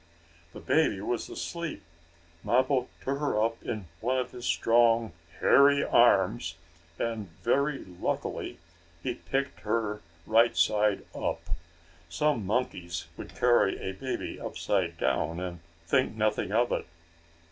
The baby was asleep. Mappo took her up in one of his strong hairy arms, and, very luckily he picked her right side up. Some monkeys would carry a baby upside down, and think nothing of it.